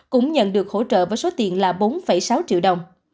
cũng nhận được hỗ trợ với số tiền là bốn sáu triệu đồng